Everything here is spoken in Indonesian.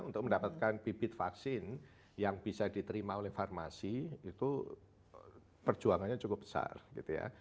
untuk mendapatkan bibit vaksin yang bisa diterima oleh farmasi itu perjuangannya cukup besar gitu ya